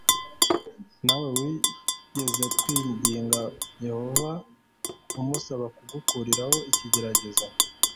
nawe wigeze kwinginga yehova umusaba kugukuriraho ikigeragezo